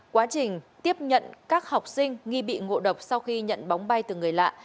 quá trình tiếp nhận các học sinh nghi bị ngộ độc sau khi nhận bóng bay từ người lạ